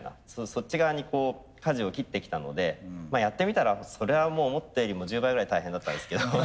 そっち側にこうかじを切ってきたのでやってみたらそれはもう思ったよりも１０倍ぐらい大変だったんですけど。